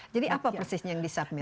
jadi apa persis yang disubmit